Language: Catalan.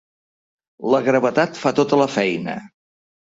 La gravetat fa tota la feina.